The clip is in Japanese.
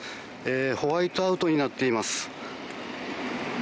ホワイトアウトになっています。